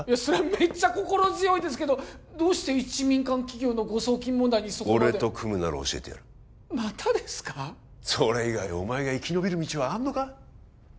めっちゃ心強いですけどどうして一民間企業の誤送金問題にそこまで俺と組むなら教えてやるまたですかそれ以外にお前が生き延びる道はあんのか？